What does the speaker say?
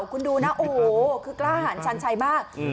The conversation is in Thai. คุณดูนะโอ้โหคือกล้าหารชันชัยมาก